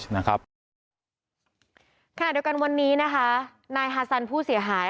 ขนาดเรียกว่าวันนี้นายฮาซันผู้เสียหาย